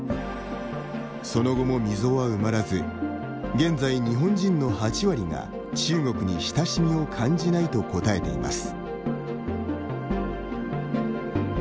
その後も溝は埋まらず現在、日本人の８割が「中国に親しみを感じない」と答えています。